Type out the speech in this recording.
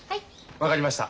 分かりました。